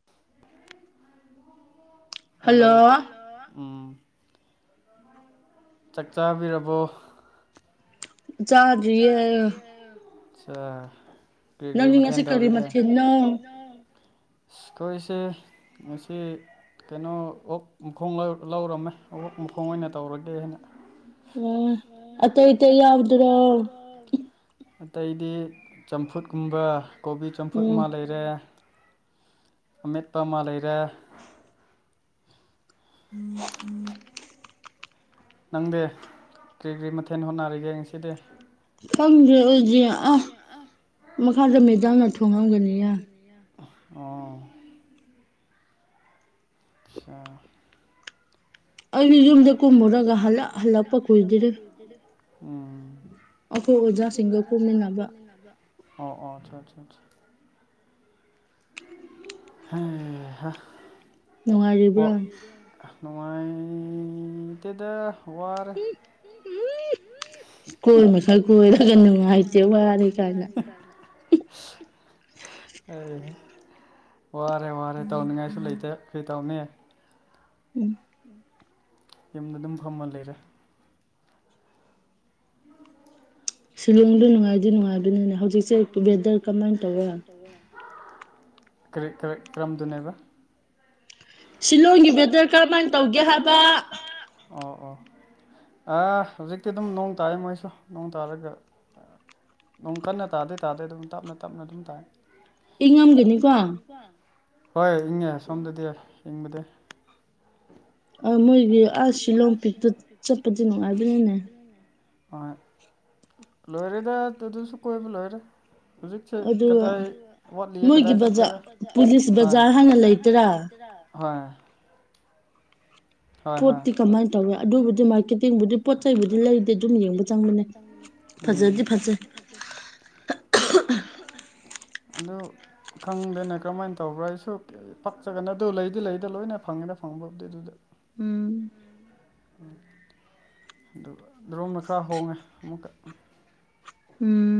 Hello hello ꯎꯝ꯫ ꯆꯥꯛ ꯆꯥꯕꯤꯔꯕꯣ꯫ ꯆꯥꯗ꯭ꯔꯤꯌꯦ꯫ ꯑꯆꯥ ꯀ꯭ꯔꯤ-ꯀ꯭ꯔꯤ ꯃꯊꯦꯜ ꯇꯧꯔꯤꯒꯦ꯫ ꯁ ꯀꯣꯏꯁꯦ ꯉꯁꯤ ꯀꯩꯅꯣ ꯑꯣꯛ ꯃꯈꯣꯡ ꯂꯧ ꯂꯧꯔꯝꯃꯦ ꯑꯣꯛ ꯃꯈꯣꯡ ꯑꯣꯏꯅ ꯇꯧꯔꯒꯦ ꯍꯥꯏꯅ꯫ ꯑꯣ ꯑꯇꯩ ꯑꯇꯩ ꯌꯥꯎꯗ꯭ꯔꯣ꯫ ꯑꯇꯩꯗꯤ ꯆꯝꯐꯨꯠꯀꯨꯝꯕ꯫ ꯀꯣꯕꯤ ꯆꯝꯐꯨꯠ ꯑꯃ ꯂꯩꯔꯦ ꯑꯃꯦꯠꯄ ꯑꯃ ꯂꯩꯔꯦ꯫ [unintelligible] ꯅꯪꯗꯤ ꯀ꯭ꯔꯤ-ꯀ꯭ꯔꯤ ꯃꯊꯦꯟ ꯍꯣꯠꯅꯔꯤꯒꯦ ꯉꯁꯤꯗꯤ꯫ [inaudible] ꯑ ꯑꫭ꯫ ꯑꯆꯥ꯫ ꯑꯩꯗꯤ ꯌꯨꯝꯗ ꯀꯨꯝꯃꯨꯔꯒ ꯍꯜꯂꯛ ꯍꯜꯂꯛꯄ ꯀꯨꯏꯗ꯭ꯔꯤ꯫ [inaudible] ꯎꯝ꯫ ꯑꯈꯣꯏ ꯑꯣꯖꯥꯁꯤꯡꯒ ꯀꯨꯝꯃꯤꯟꯅꯕ꯫ [inaudible] ꯑꯣ ꯑꯣ ꯆꯥ ꯆꯥ ꯆ ꯍꯩꯍ ꯑꯣ ꯅꯉꯥꯏꯇꯦꯗ ꯋꯥ ꯀꯣꯏ ꯃꯈꯜ ꯀꯣꯏꯔꯒ ꯅꯨꯡꯉꯥꯏꯇꯦ ꯋꯥꯔꯦ ꯀꯥꯏꯅ꯫ [unintelligible] ꯋꯥꯔꯦ-ꯋꯥꯔꯦ ꯇꯧꯅꯤꯡꯉꯥꯏꯁꯨ ꯂꯩꯇꯦ ꯀ꯭ꯔꯤ ꯇꯧꯅꯤ꯫ ꯎꯝ꯫ ꯌꯨꯝꯗ ꯑꯗꯨꯝ ꯐꯝꯃ ꯂꯩꯔꯦ꯫ ꯁꯤꯂꯣꯡꯗꯣ ꯅꯨꯡꯉꯥꯏꯗꯤ ꯅꯨꯡꯉꯥꯏꯕꯅꯤꯅꯦ ꯍꯧꯖꯤꯛꯁꯦ ꯋꯦꯗꯔ ꯀꯃꯥꯏꯅ ꯇꯧꯋꯦ꯫ [unintelligible] ꯀ꯭ꯔꯤ ꯀ꯭ꯔꯤ ꯀꯔꯝꯗꯨꯅꯦꯕ꯫ ꯁꯤꯂꯣꯡꯒꯤ ꯋꯦꯗꯔ ꯀ꯭ꯔꯃꯥꯏꯅ ꯇꯧꯒꯦ ꯍꯥꯏꯕꯥ꯫ ꯑꯣ ꯑꯣ ꯑꯥ ꯍꯧꯖꯤꯛꯇꯤ ꯑꯗꯨꯝ ꯅꯣꯡ ꯇꯥꯔꯦ ꯃꯣꯏꯁꯨ ꯅꯣꯡ ꯇꯥꯔꯒ ꯑ ꯅꫭꯡ ꯀꯟꯅ ꯇꯥꯗꯤ ꯇꯥꯗꯦ ꯑꯗꯨꯝ ꯇꯞꯅ-ꯇꯞꯅ ꯑꯗꯨꯝ ꯇꯥꯑꯦ꯫ ꯏꯪꯉꯝꯒꯅꯤꯀꯣ꯫ ꯍꯣꯏ ꯏꯪꯉꯦ ꯁꯣꯝꯗꯗꯤ ꯏꯪꯕꯗꯤ ꯑ ꯃꯣꯏꯒꯤ ꯑ ꯁꯤꯂꯣ ꯄꯤꯛꯇꯨ ꯆꯠꯄꯗꯤ ꯅꯨꯡꯉꯥꯏꯕꯅꯤꯅꯦ ꯍꯣꯏ ꯂꯣꯏꯔꯦꯗ ꯑꯗꯨꯗꯨꯁꯨ ꯀꯣꯏꯕ ꯂꯣꯏꯔꯦ ꯍꯧꯖꯤꯛꯁꯦ ꯀꯗꯥꯏ ꯋꯥꯠꯂꯤꯌꯦ ꯀꯗꯥꯏ ꯆꯠꯀꯔꯦ ꯍꯣꯏ ꯍꯣꯏ ꯍꯣꯏ ꯄꯣꯠꯇꯤ ꯀꯃꯥꯏꯅ ꯇꯧꯋꯤ ꯑꯗꯨꯕꯨꯗꯤ ꯃꯥꯔꯀꯦꯇꯤꯡꯕꯨꯗꯤ ꯄꯣꯠ ꯆꯩꯕꯨꯗꯤ ꯂꯩꯗꯤꯦ ꯑꯗꯨꯝ ꯌꯦꯡꯕ ꯆꯪꯅꯤꯡꯅꯤ ꯎꯝ ꯐꯖꯗꯤ ꯐꯖꯩ꯫ [unintelligible] ꯑꯗꯨ ꯈꯪꯗꯦꯅꯦ ꯀ꯭ꯔꯝꯥꯏꯅ ꯇꯧꯕ꯭ꯔꯥ ꯑꯩꯁꯨ꯫ ꯄꯛꯆꯒꯅ ꯑꯗꯨ ꯂꯩꯗꯤ ꯂꯩꯗ ꯂꯣꯏꯅ ꯐꯪꯉꯦꯗ ꯐꯪꯕꯕꯨꯗꯤ ꯑꯗꯨꯗ꯫ ꯎ ꯎꯝ꯫ ꯗꯨꯒ ꯗꯨꯔꫭꯝꯅ ꯈꯔ ꯍꯣꯡꯉꯦ ꯑꯃꯨꯛꯀ꯫ ꯎꯝ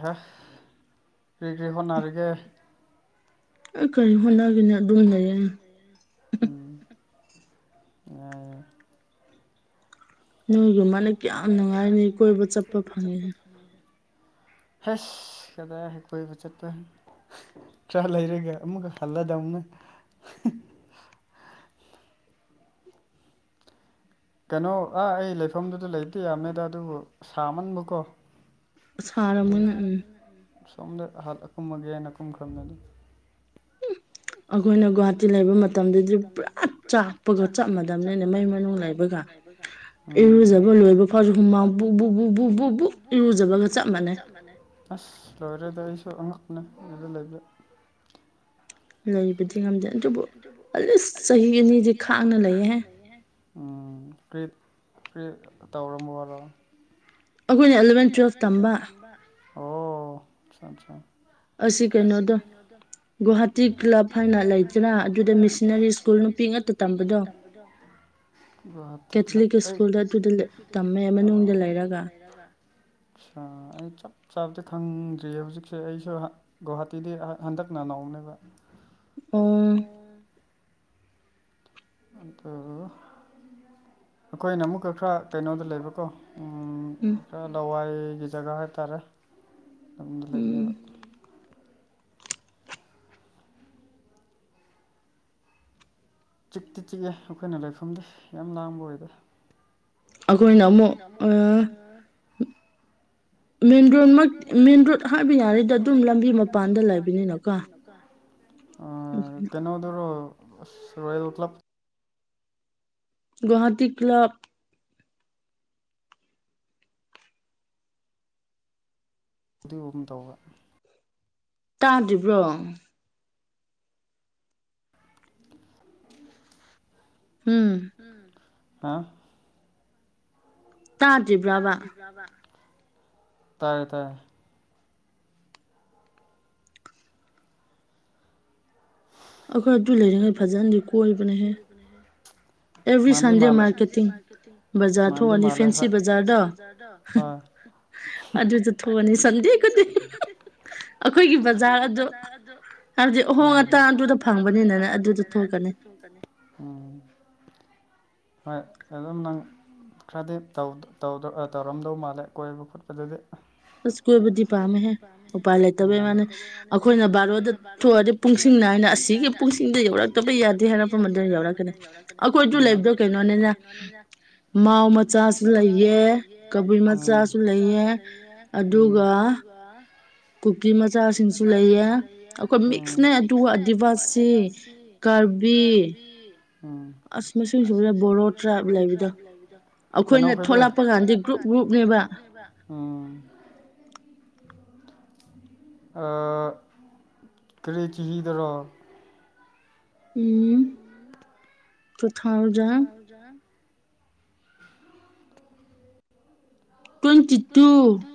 ꯍ ꯒ꯭ꯔꯤ ꯍꯅꯔꯒꯦ ꯑꯩ ꯀꯔꯤ ꯍꯣꯠꯅꯒꯦꯅꯤ ꯑꯗꯨꯝ ꯂꯩꯌꯦ ꯎ ꯑ ꯅꯣꯏꯒꯤꯨꯝ ꯃꯅ ꯀꯌꯥꯝ ꯅꯨꯡꯉꯥꯏꯅꯤ ꯀꯣꯏꯕ ꯆꯠꯄ ꯐꯪꯉꯁꯦ ꯑ ꯍꯦꯁ ꯀꯗꯥ ꯍꯦꯛ ꯀꯕꯁꯔ ꯇ ꯍꯥꯏ ꯆ ꯂꯩꯔꯦꯒꯦ ꯑꯃꯨꯛꯀ ꯍꯜꯂꯗꯧꯅ ꯀꯩꯅꯣ ꯑꯥ ꯑꯩ ꯂꯩꯐꯝꯗꯨꯗ ꯂꯩꯕ ꯌꯥꯝꯃꯦꯗ ꯑꯗꯨꯕꯨ ꯁꯥꯃꯟꯕꯀꯣ ꯑꯗꯨ ꯁꯣꯝꯗ ꯑꯍꯜ ꯑꯀꯨꯝꯃꯒꯦ ꯍꯥꯏꯅ ꯀꯨꯝꯈ꯭ꯔꯕꯅꯅꯤ ꯎꯝ ꯑꯩꯈꯣꯏꯅ ꯒꯨꯍꯥꯇꯤ ꯂꯩꯕ ꯃꯇꯝꯗꯗꯤ ꯄꯨꯔꯥ ꯆꯥꯛꯄꯒ ꯆꯞ ꯃꯥꯟꯗꯝꯅꯦꯅꯦ ꯃꯩ ꯃꯅꯨꯡ ꯂꯩꯕꯒ ꯏꯖꯕ ꯐꯖ ꯆ ꯑꯁ ꯂꯣꯏꯔꯦꯗꯤ ꯑꯩꯁꯨ ꯑꯉꯛꯅꯦ ꯑꯗꯨꯗ ꯂꯩꯕ ꯂꯩꯕꯗꯤ ꯉꯝꯗꯦ ꯑꯗꯨꯕꯨ ꯑꯦꯠꯂꯤꯁ ꯆꯍꯤ ꯑꯅꯤꯗꯤ ꯈꯥꯡꯅ ꯂꯩꯍꯦ ꯀꯔꯤꯠ ꯀꯔꯤꯠ ꯇꯧꯔ ꯑꯣꯏꯔꯣ ꯑꯩꯈꯣꯏꯅ ꯑꯦꯂꯕꯦꯟ ꯇꯨꯌꯦꯜꯞ ꯇꯝꯕ ꯑꯣꯁ ꯑꯁꯤ ꯀꯩꯅꯩꯅꯣꯗ ꯒꯨꯍꯥꯇꯤ ꯀ꯭ꯂꯂꯐꯅ ꯂꯩꯇꯅꯥ ꯑꯗꯨꯒ ꯃꯤꯁꯅꯔꯤ ꯁ꯭ꯀꯨꯜ ꯅꯨꯄꯤ ꯉꯥꯛꯇ ꯇꯝꯕꯗꯣ ꯃꯅꯨꯡꯗ ꯂꯩ ꯑ ꯑꯩ ꯆꯞ ꯆꯥꯕꯗꯤ ꯈꯪꯗ꯭ꯔꯤꯌꯦ ꯍꯧꯖꯤꯛꯁꯦ ꯑꯩꯁꯨ ꯒꯧꯍꯥꯇꯤꯗꯩ ꯍꯟꯗꯛ ꯅ ꯅꯥꯎꯅꯦꯕ ꯑꯣ ꯑꯗꯨ ꯑꯩꯈꯣꯏꯅ ꯑꯃꯨꯛꯀ ꯈꯔ ꯀꯩꯅꯣꯗ ꯂꯩꯕꯀꯣ ꯎꯝ ꯈ ꯂꯋꯥꯏꯒꯤ ꯖꯒꯥ ꯍꯥꯏꯇꯥꯔꯦ ꯑꯗꯨ ꯂꯩꯕꯅꯦꯕ ꯆꯤꯛꯇꯤ ꯆꯤꯛꯑꯦ ꯑꯩꯈꯣꯏꯅ ꯂꯩꯐꯝꯗꯤ ꯌꯥꯝ ꯂꯥꯡꯕ ꯑꯣꯏꯗꯦ ꯑꯩꯈꯣꯏꯅ ꯑꯃꯨꯛ ꯑ ꯃꯦꯟꯔꯣꯠꯃ ꯃꯦꯟꯔꯣꯠ ꯍꯥꯏꯕ ꯌꯥꯔꯤꯗ ꯑꯗꯨꯝ ꯂꯝꯕꯤ ꯃꯄꯥꯟꯗ ꯂꯩꯕꯅꯤꯅꯀꯣ ꯑ ꯇꯅꯗꯔꯣ ꯔꯣꯌ ꯎꯂꯕ ꯒꯍꯥꯇꯤ ꯀ꯭ꯂ ꯀ꯭ꯂꯕ ꯑꯗꯨꯒꯨꯝ ꯇꯧꯕ ꯇꯥꯗ꯭ꯔꯤꯕ꯭ꯔꯣ [unintelligible] ꯎꯝ ꯍꯥ ꯇꯥꯗ꯭ꯔꯤꯕ꯭ꯔꯕ ꯇꯥꯏꯔꯦ ꯇꯥꯏꯌꯦ ꯑꯩꯈꯣꯏ ꯑꯗꯨ ꯂꯩꯔꯤꯉꯩ ꯐꯖꯅꯗꯤ ꯀꯣꯏꯕꯅꯦꯍꯦ [inaudible] ꯃꯥꯟꯗꯤ ꯃꯥꯜꯂꯦ ꯃꯥꯟꯗꯤ ꯃꯥꯜꯂꯦ ꯍꯣꯏ ꯑꯗꯨꯗ ꯊꯣꯛꯑꯅꯤ ꯁꯟꯗꯦ ꯈꯨꯗꯤꯡ ꯑꯩꯈꯣꯏꯒꯤ ꯕꯖꯥꯔ ꯑꯗꯨ ꯍꯥꯏꯕꯗꯤ ꯑꯍꯣꯡ ꯑꯇꯥꯥꯡ ꯑꯗꯨꯗ ꯐꯪꯕꯅꯤꯅꯅ ꯑꯗꯨꯗ ꯊꯣꯛꯀꯅꯤ ꯊꯣꯛꯀꯅꯤ ꯎꯝ ꯍꯣꯏ ꯑꯗꯨꯝ ꯅꯪ ꯈꯔꯗꯤ ꯇꯧ ꯇꯧꯗꯧ ꯇꯧꯔꯝꯗꯧ ꯃꯥꯜꯂꯦ ꯀꯣꯏꯕ ꯈꯣꯠꯄꯗꯗꯤ ꯑꯁ ꯀꯣꯏꯕꯗꯤ ꯄꯥꯝꯃꯦꯍꯦ ꯎꯄꯥꯏ ꯂꯩꯇꯕꯩ ꯋꯥꯅꯦ ꯑꯩꯈꯣꯏꯅ ꯕꯥꯔꯣꯗ ꯊꯣꯛꯑꯗꯤ ꯄꯨꯡꯁꯤꯡ ꯅꯥꯏꯅ ꯑꯁꯤꯒꯤ ꯄꯨꯡꯁꯤꯡꯗ ꯌꯧꯔꯛꯇꯕ ꯌꯥꯗꯦ ꯍꯥꯏꯔꯛꯐꯝ ꯑꯗꯨꯗ ꯌꯧꯔꯛꯀꯅꯤ ꯑꯩꯈꯣꯏꯗꯨ ꯂꯩꯕꯗꯣ ꯀꯩꯅꯣ ꯂꯩꯕꯗꯣ ꯀꯩꯅꯣꯅꯦꯅ ꯃꯥꯎ ꯃꯆꯥꯁꯨ ꯂꯩꯑ ꯀꯕꯨꯏ ꯃꯆꯥꯁꯨ ꯂꯩꯑ ꯌꯦ ꯎꯝ ꯑꯗꯨꯒ ꯀꯨꯀꯤ ꯃꯆꯥꯁꯤꯡꯁꯨ ꯂꯩꯌꯦ ꯑꯩꯈꯣꯏ ꯃꯤꯛꯁꯅꯦ ꯑꯗꯨꯒ ꯑꯗꯤꯕꯥꯁꯤ ꯀꯔꯕꯤ ꯑꯁ ꯑꯁ ꯃꯁꯤꯡꯁꯨꯔꯦ ꯕꯣꯔꯣ ꯇ꯭ꯔꯥꯏꯞ ꯂꯩꯕꯗ ꯀꯩꯅꯣ ꯈꯣꯏꯗꯤ ꯊꯣꯛꯂꯛꯄ ꯀꯥꯟꯗꯤ ꯒꯔꯨꯞ ꯒꯔꯨꯞꯅꯦ ꯕ ꯎꯝ ꯑ ꯀꯔꯤꯆꯍꯤꯗꯔꯣ ꯎꯝ ꯇꯨꯊꯥꯎꯖꯟ ꯇꯨꯋꯦꯟꯇꯤꯇꯨ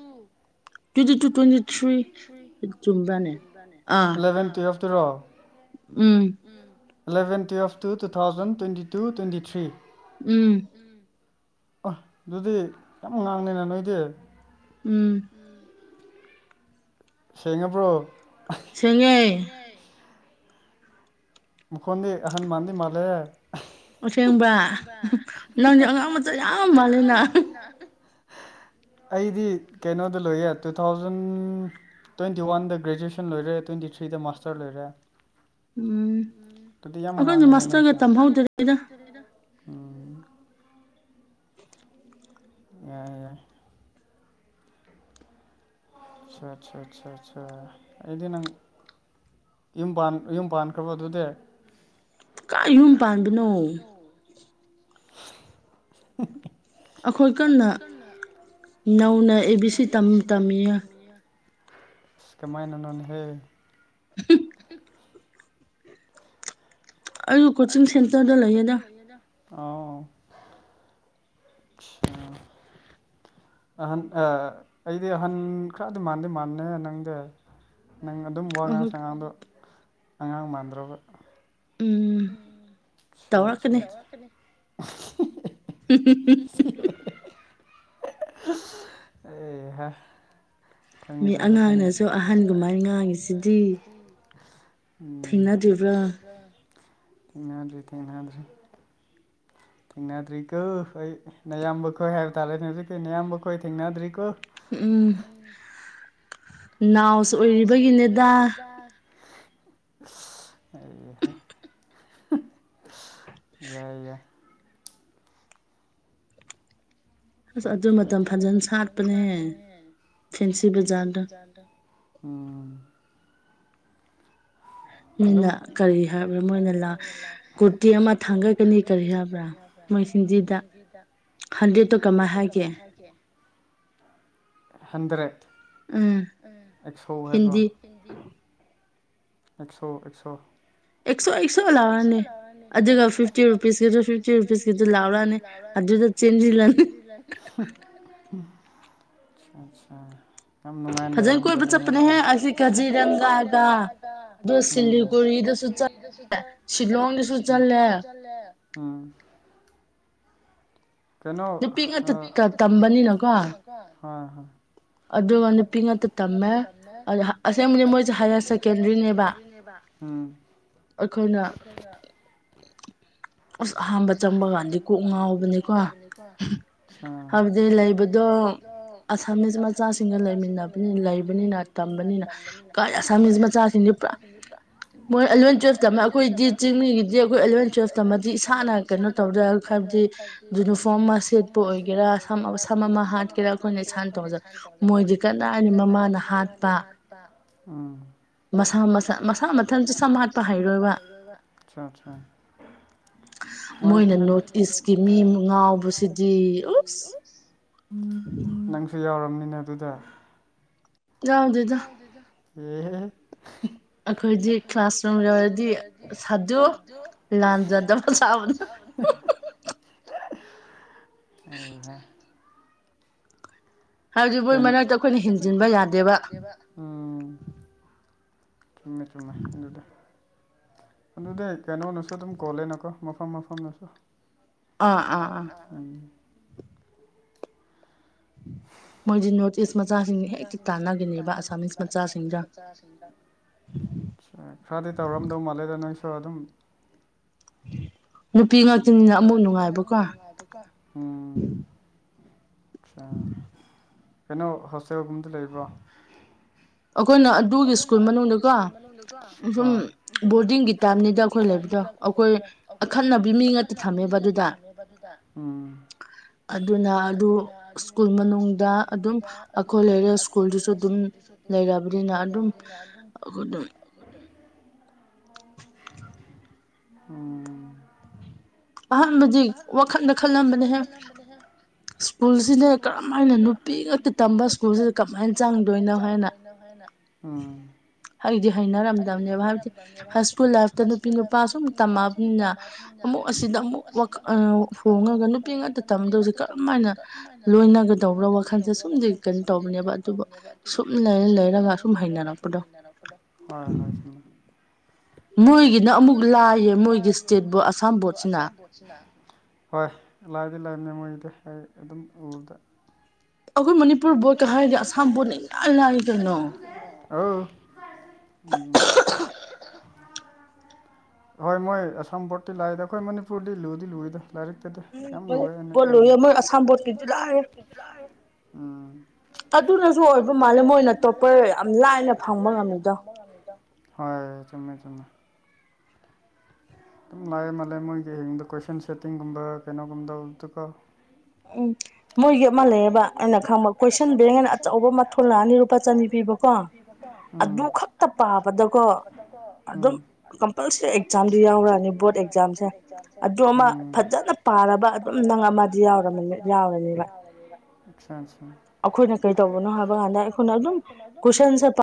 ꯏꯜꯂꯚꯦꯟ ꯇꯨꯋꯦꯜꯞꯇꯔꯣ ꯎꯝ ꯎꯝ eleven twelve two two thousand twenty two twenty three ꯎꯝ ꯑ ꯑꯗꯨꯗꯤ ꯌꯥꯝ ꯉꯥꯡꯅꯤꯅ ꯅꯣꯏꯗꯤ ꯎꯝ ꯁꯦꯉꯥꯕꯔꯣ ꯁꯦꯡꯉꯦ ꯃꯈꯣꯟꯗꯤ ꯑꯍꯟ ꯃꯥꯥꯟꯗꯤ ꯃꯥꯜꯂꯦ ꯑꯁꯦꯡꯕ ꯅꯪꯗꯤ ꯑꯉꯥꯡ ꯃꯆꯥ ꯌꯥꯝ ꯃꯥꯜꯂꯦ ꯅꯥ ꯑꯩꯗꯤ ꯀꯩꯅꯣꯗ ꯂꯣꯏꯌꯦꯦ ꯇꯨ ꯊꯥꯎꯖꯟ ꯇ꯭ꯋꯇꯤ ꯋꯥꯟ ꯒ꯭ꯔꯦꯖꯨꯑꯁ ꯂꯣꯏꯔꯦ ꯇꯣꯏꯦꯟꯇꯤ ꯊ꯭ꯔꯤꯗ ꯃꯥꯁꯇꯔ ꯂꯔꯦ ꯑꯗꯨꯗꯤ ꯌꯥꯝ ꯃꯉꯥꯡꯅꯤꯅꯦ ꯅꯣꯏꯁꯨ ꯎꯝ [unintelligible] ꯑ ꯑꯆꯥ ꯑꯠꯆꯥ ꯑꯆꯥ ꯑꯩꯗꯤ ꯅꯪ ꯌ ꯌꯨꯝ ꯄꯥꯟꯈ꯭ꯔꯕ ꯑꯗꯨꯗꯤ ꯀꯥꯏ ꯌꯨꯝ ꯄꯥꯟꯕꯅꯣ [inaudible] ꯑꯩꯈꯣꯏ ꯀꯟꯅ ꯅꯧꯅ ꯑꯦ ꯕꯤ ꯁꯤ ꯇꯝ ꯇꯝꯃꯤꯌꯦ ꯏꯁ ꯀꯃꯥꯏꯅꯅꯣꯅꯦꯍꯦ [inaudible] ꯑꯩꯖꯨ ꯀꯣꯆꯤꯡ ꯁꯦꯟꯇꯔꯗ ꯂꯩꯌꯦꯗ ꯌꯦꯗ ꯑꯥꯎ ꯑꯍꯟ ꯑ ꯑꯩꯗꯤ ꯑꯍꯟ ꯈꯔꯗꯤ ꯃꯥꯟꯗꯤ ꯃꯥꯟꯕꯅꯦ ꯅꯪꯗꯤ ꯅꯪ ꯑꯗꯨꯝꯕ ꯑꯉꯥꯡ ꯁꯉꯥꯡꯗꯣ ꯑꯉꯥꯡ ꯃꯥꯟꯗ꯭ꯔꯕ ꯎꯝ ꯑꯆꯥ ꯑꯆꯥ ꯇꯧꯔꯛꯒꯅꯤ ꯑꯦꯍ [inaudible] ꯈꯪꯗ꯭ꯔꯦꯗ ꯈꯪ ꯑꯉꯥꯡꯅꯁꯨ ꯑꯍꯟꯗꯧꯅ ꯂꯩꯁꯤꯗꯤ ꯎꯝ ꯊꯦꯡꯅꯗ꯭ꯔꯤꯕ ꯊꯦꯡꯅꯗ꯭ꯔꯤ ꯊꯦꯡꯅꯗ꯭꯭ꯔꯤ ꯊꯦꯡꯅꯗ꯭ꯔꯤꯀꯣ ꯑꯩ ꯅꯌꯥꯝꯕ ꯈꯣꯏ ꯍꯥꯏꯕ ꯇꯥꯔꯦꯅꯦ ꯍꯧꯖꯤꯛꯗꯤ ꯅꯌꯥꯝꯕ ꯈꯣꯏ ꯊꯦꯡꯅꯗ꯭ꯔꯤꯀꯣ ꯎꯝ ꯅꯥꯎ ꯑꯣꯏꯔꯤꯕꯒꯤꯅꯦꯗꯥ ꯍꯩ ꯍꯥ ꯌꯥꯏ ꯌꯥꯏ ꯁꯨ ꯃꯇꯝ ꯐꯖꯅ ꯁꯥꯠꯄꯅꯦ ꯐꯦꯟꯁꯤ ꯕꯖꯥꯔꯗ ꯎꯝ ꯎ ꯃꯤꯅ ꯀꯔꯤ ꯍꯥꯏꯕ꯭ꯔꯥ ꯃꯣꯏꯅ ꯀꯨꯔꯇꯤ ꯑꯃ ꯊꯥꯡꯒꯠꯀꯅꯤ ꯀꯔꯤ ꯍꯥꯏꯕ꯭ꯔꯥ ꯃꯣꯏꯁꯤꯡꯗꯤꯗꯥꯛ ꯍꯟꯗ꯭ꯔꯦꯗꯠꯇꯣ ꯀꯃꯥꯏꯅ ꯍꯥꯏꯒꯦ ꯍꯟꯗ꯭ꯔꯦꯠ ꯑꯦꯛꯁꯣ ꯍꯥꯏꯕ꯭ꯔꯣ ꯑꯦꯁꯣ ꯑꯦꯛꯁꯣ ꯑꯦꯛꯁꯣ ꯑꯦꯛꯁꯣ ꯂꯥꯎꯔꯅꯤ ꯑꯗꯨꯒ ꯐꯤꯐꯇꯤ ꯔꯨꯄꯤꯁꯀꯤꯗꯨ ꯐꯤꯐꯇꯤ ꯔꯨꯄꯤꯁꯀꯤꯗꯨ ꯂꯥꯎꯔꯅꯤ ꯆꯦꯟ ꯌꯥꯝ ꯅꯨꯡꯉꯥꯏꯅ ꯂꯩꯔꯝꯗꯣꯢꯅꯦ ꯗ ꯑꯝ ꯁꯤꯂꯤꯀꯣꯔꯤꯗꯁꯨ ꯆꯠꯂꯦ ꯁꯤꯂꯣꯡꯗꯁꯨ ꯆꯠꯂꯦ ꯑꯥ ꯀꯩꯅꯣ ꯍꯥ ꯍꯥ ꯑꯗꯨꯒ ꯅꯨꯄꯤ ꯉꯥꯛꯇ ꯇꯝꯃꯦ ꯑꯁꯦꯡꯕꯗꯤ ꯃꯣꯏꯁꯦ ꯍꯥꯏꯌꯔ ꯁꯦꯀꯦꯟꯗ꯭ꯔꯤꯅꯦꯕ ꯎꯝ ꯑꯩꯈꯣꯏꯅ ꯑꯁ ꯑꯍꯥꯟꯕ ꯆꯪꯕ ꯀꯥꯟꯗꯤ ꯀꯣꯛ ꯉꯥꯎꯕꯅꯤꯀꯣ ꯍꯥꯏꯕꯗꯤ ꯂꯩꯕꯗꯣ ꯑꯁꯥꯃꯤꯁ ꯃꯆꯥꯁꯤꯡꯒ ꯂꯩꯃꯤꯟꯅꯕꯅꯤꯅ ꯂꯩꯕꯅꯤꯅ ꯅ ꯇꯝꯕꯅꯤꯅ ꯑꯁ ꯃꯆꯥꯁꯤꯡꯁꯤ ꯄꯨꯔꯥ ꯃꯣꯏ ꯂꯣꯏ ꯑꯩꯈꯣꯏꯗꯤ ꯆꯤꯡꯃꯤꯒꯤꯗꯤ ꯑꯩꯈꯣꯏ ꯑꯦꯂꯕꯦꯟ ꯇꯨꯋꯜꯐꯇ ꯇꯝꯃꯗꯤ ꯏꯁꯥꯅ ꯀꯩꯅꯣ ꯇꯧꯗ ꯍꯥꯏꯕꯗꯤ ꯌꯨꯅꯤꯐꯣꯝ ꯑꯃ ꯁꯦꯠꯄ ꯑꯣꯏꯒꯦꯔꯥ ꯁꯝ ꯑꯃ ꯍꯥꯠꯀꯦꯔꯥ ꯑꯩꯈꯣꯏꯅ ꯏꯁꯥꯅ ꯇꯧꯖꯕ ꯃꯣꯏꯗꯤ ꯀꯗꯥꯏꯅ ꯃꯃꯥꯅ ꯍꯥꯠꯄ ꯃꯁꯥ ꯃꯁꯥ ꯃꯁꯥ ꯃꯊꯟꯁꯨ ꯁꯝ ꯍꯥꯠꯄ ꯍꯩꯔꯣꯏꯕ ꯑꯆꯥ ꯑꯆꯥ ꯁꯗꯤ [inaudible] ꯅꯪꯁꯨ ꯌꯥꯎꯔꯝꯅꯤꯅꯦ ꯑꯗꯨꯗ ꯌꯥꯎꯗꯦꯗ ꯑꯦ ꯑꯩꯈꯣꯏꯗꯤ ꯀ꯭ꯂꯥꯁꯔꯨꯝ ꯌꯧꯔꯗꯤ ꯁꯥꯗꯨ ꯂꯥꯟꯖꯗꯕ ꯁꯥꯥꯕꯗꯣ ꯎ [inaudible] ꯀꯩꯅꯣ ꯑꯩꯈꯣꯏ ꯃꯔꯛꯇ ꯑꯩꯈꯣꯏꯅ ꯍꯤꯡꯖꯤꯟꯕ ꯌꯥꯗꯦꯕ ꯎꯝ ꯆꯨꯝꯃꯦ ꯆꯨꯝꯃꯦ ꯑꯗꯨꯗꯤ ꯑꯗꯨꯗꯤ ꯀꯩꯅꯣꯅꯁꯨ ꯑꯗꯨꯝ ꯀꯣꯜꯂꯦꯅꯀꯣ ꯃꯐꯝ ꯃꯐꯝꯅꯁꯨ ꯑꯥ ꯑꯥ ꯑꯝ ꯃꯣꯏꯁꯤ ꯅꯣꯠ ꯏꯁ ꯃꯆꯥꯁꯤꯡꯅ ꯍꯦꯛꯇ ꯇꯥꯟꯅꯒꯅꯦꯕ ꯑꯁꯥꯝ ꯃꯤꯁ ꯃꯆꯥꯁꯤꯡꯗꯣ ꯈꯔꯗꯤ ꯇꯧꯔꯝꯗꯧ ꯃꯥꯜꯂꯦꯗ ꯅꯣꯏꯁꯨ ꯑꯗꯨꯝ ꯅꯨꯄꯤ ꯉꯥꯛꯇꯅꯤꯅ ꯑꯃꯨꯛ ꯅꯨꯡꯉꯥꯏꯕꯀꯣ ꯅꯨꯡꯉꯥꯢꯕꯒꯣ ꯎꯝ ꯑꯆꯥ ꯀꯩꯅꯣ ꯍꯣꯁꯇꯦꯜꯒꯨꯝꯕꯗ ꯂꯩꯕ꯭ꯔꯣ ꯑꯩꯈꯣꯏꯅ ꯑꯗꯨꯒꯤ ꯁ꯭ꯀꯨꯜ ꯃꯅꯨꯡꯗꯀꯣꯨꯝ ꯕꯣꯔꯗꯤꯡꯒꯤ ꯇꯅꯤꯗ ꯑꯩꯈꯣꯏ ꯂꯩꯕꯗꯣ ꯑꯩꯈꯣꯏ ꯑꯈꯟꯅꯕꯤ ꯃꯤ ꯉꯥꯛꯇ ꯊꯝꯃꯦꯕ ꯑꯗꯨꯗ ꯑꯗꯨꯅ ꯑꯗꯨ ꯁ꯭ꯀꯨꯜ ꯃꯅꯨꯡꯗ ꯑꯗꯨꯝ ꯑꯩꯈꯣꯏ ꯂꯩꯔꯦ ꯁ꯭ꯀꯨꯜꯗꯨ ꯑꯗꯨꯨꯗꯤꯡ ꯂꯩꯔꯕꯅꯤꯅ ꯑꯗꯨꯝ ꯎꯝ ꯑꯍꯥꯟꯕꯗꯤ ꯋꯥꯈꯜꯗ ꯈꯜꯂꯝꯕꯅꯦꯍꯦ ꯑ ꯁ꯭ꯀꯨꯜꯁꯤꯅ ꯀꯔꯝꯍ ꯍꯥꯏꯅ ꯅꯨꯄꯤ ꯉꯛꯇ ꯇꯝꯕ ꯁ꯭ꯀꯨꯜꯁꯤꯗ ꯀꯃꯥꯏꯅ ꯆꯪꯗꯣꯏꯅꯣ ꯍꯥꯏꯅ ꯑꯥ ꯍꯥꯏꯗꯤ ꯍꯩꯅꯔꯝꯗꯕꯅꯦꯕ ꯍꯥꯏꯕꯗꯤ ꯁ꯭ꯀꯨꯜ ꯂꯥꯏꯐꯇ ꯅꯨꯄꯤ ꯅꯨꯄꯥ ꯁꯨꯝ ꯇꯝꯂꯑꯕꯅꯤꯅ ꯑꯃꯨ ꯑꯁꯤꯗ ꯑꯃꯨꯛ ꯋꯥꯛ ꯑꯃꯨꯛ ꯍꯣꯡꯉꯒ ꯅꯨꯄꯤ ꯉꯥꯛꯇ ꯇꯝꯗꯕꯁꯨ ꯀꯔꯝ ꯍꯥꯏꯅ ꯂꯣꯏꯅꯒꯗꯧꯕꯥ ꯋꯥꯈꯜ ꯁꯨꯝ ꯇꯧꯕꯅꯦꯕ ꯑꯗꯨꯕꯨ ꯁꯨꯝ ꯂꯩꯔ ꯂꯩꯔꯒ ꯁꯨꯝ ꯍꯩꯅꯔꯛꯄꯗꯣ ꯍꯣꯏ ꯍꯣꯏ ꯎꯝ ꯃꯣꯏꯒꯤꯅ ꯑꯃꯨꯛ ꯂꯥꯏꯌꯦ ꯃꯣꯏꯒꯤ ꯏꯁꯇꯦꯠ ꯕꯣꯠ ꯑꯁꯥꯝ ꯕꯣꯠꯁꯤꯅ ꯍꯣꯏ ꯂꯥꯏꯗꯤ ꯂꯥꯢꯕꯅꯦ ꯃꯣꯏꯒꯤꯗꯤ ꯑꯩ ꯑꯗꯨꯝ ꯎꯕꯗ ꯑꯩꯈꯣꯏ ꯃꯅꯤꯄꯨꯔ ꯕꯣꯠꯀ ꯍꯥꯏꯔꯗꯤ ꯑꯁꯥꯝ ꯕꯣꯠꯅ ꯏꯂꯥꯢ ꯂꯥꯏ ꯀꯩꯅꯣ ꯑꯥꯎ ꯎꯝ ꯍꯣꯏ ꯃꯣꯏ ꯑꯁꯥꯝ ꯄꯣꯠꯇꯤ ꯂꯥꯛꯏꯗ ꯑꯩꯈꯣꯏ ꯃꯅꯤꯄꯨꯔꯗꯤ ꯂꯨꯗꯤ ꯂꯨꯏꯗ ꯂꯥꯏꯔꯤꯛ ꯌꯥꯝ ꯂꯨꯋꯦ ꯑꯩꯉꯣꯡꯗ ꯎ ꯑꯗꯨꯅꯁꯨ ꯑꯣꯏꯕꯝ ꯃꯥꯜꯂ ꯃꯣꯏꯅ ꯑ ꯇꯣꯞꯄꯔ ꯌꯥꯝ ꯂꯥꯏꯅ ꯐꯪꯕ ꯉꯝꯃꯤꯗꯣ ꯍꯣꯏ ꯆꯨꯝꯃꯦ ꯆꯨꯝꯃꯦ ꯑꯗꯨꯝ ꯂꯥꯛꯑꯦ ꯃꯥꯜꯂꯦ ꯃꯣꯏꯒꯤ ꯍꯌꯦꯤꯡꯗ ꯀꯣꯏꯁꯟ ꯁꯦꯠꯇꯤꯡꯒꯨꯝꯕ ꯀꯩꯅꯣꯒꯨꯝꯗꯗꯨꯀ ꯎꯝ ꯃꯣꯏꯒꯤ ꯃꯥꯂꯑꯕ ꯑꯩꯅ ꯈꯪꯕ ꯀꯣꯏꯁꯟꯗꯔꯤꯉꯦꯅ ꯑꯆꯧꯕ ꯑꯃ ꯊꯣꯛꯂꯛꯑꯅꯤ ꯂꯨꯄꯥ ꯆꯅꯤ ꯎ ꯑꯗꯨ ꯈꯛꯇ ꯇꯥꯕꯗꯀꯣ ꯎ ꯑꯗꯨꯝ ꯛꯖꯥꯝ ꯌꯥꯎꯔꯅꯤ ꯕꯣꯔ ꯑꯦꯛꯖꯥꯝꯁꯦ ꯑꯃ ꯐꯖꯅ ꯄꯥꯔꯕ ꯑꯗꯨꯝ ꯅꯪ ꯑꯆꯥ ꯑꯩꯈꯣꯏꯅ ꯀꯩ ꯇꯧꯕꯅꯣ ꯍꯥꯏꯕ ꯀꯥꯟꯗ ꯑꯩꯈꯣꯏꯅ ꯑꯗꯨꯝ ꯀꯁꯟ ꯆ